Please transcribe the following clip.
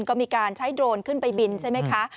ก็มีการใช้โดรนขึ้นไปบินใช่ไหมคะ